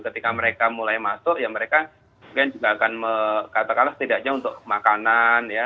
ketika mereka mulai masuk ya mereka mungkin juga akan katakanlah setidaknya untuk makanan ya